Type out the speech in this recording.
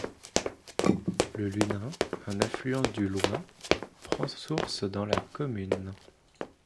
Le Lunain, un affluent du Loing, prend source dans la commune.